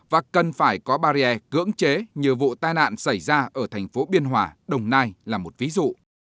và cần phải có barrier cưỡng chế như vụ tai nạn xảy ra ở thành phố biên hòa đồng nai là một ví dụ